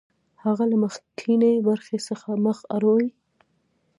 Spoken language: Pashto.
هغه له مخکینۍ برخې څخه مخ اړوي